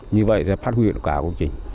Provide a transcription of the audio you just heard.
như vậy sẽ phát huyện cả công trình